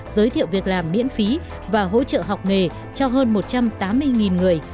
giới thiệu việc làm miễn phí và hỗ trợ học nghề cho hơn một trăm tám mươi người